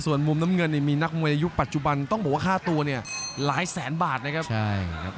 ส่วนมุมนำเงินมีนักมวยในยุคปัจจุบันต้องบอกว่าค่าตัวลายแสนบาทครับ